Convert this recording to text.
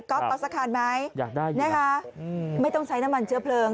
ก๊อตเอาสะขานไหมนะคะไม่ต้องใช้น้ำมันเจื้อเพลิง